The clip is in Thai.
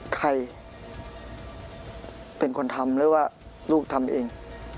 ใครเป็นคนทำหรือว่าลูกทำเอง